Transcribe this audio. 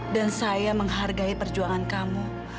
dan saya menghargai perjuangan kamu